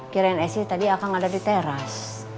kirain esir tadi akan ada di teras